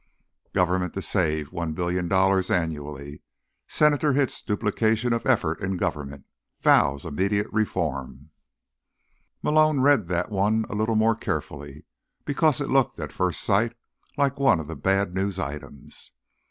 GOVERNMENT TO SAVE $1 BILLION ANNUALLY? Senator Hits Duplication of Effort in Government, Vows Immediate Reform Malone read that one a little more carefully, because it looked, at first sight, like one of the bad news items.